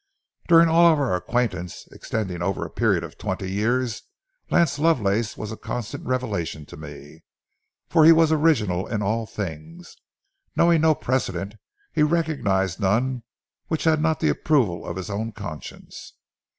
During all our acquaintance, extending over a period of twenty years, Lance Lovelace was a constant revelation to me, for he was original in all things. Knowing no precedent, he recognized none which had not the approval of his own conscience.